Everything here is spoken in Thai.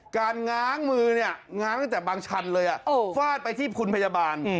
ง้างมือเนี่ยง้างตั้งแต่บางชันเลยฟาดไปที่คุณพยาบาล